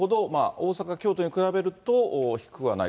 大阪、京都に比べると低くはない。